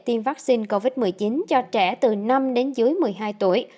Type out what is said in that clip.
tiêm vaccine covid một mươi chín cho trẻ từ năm đến dưới một mươi hai tuổi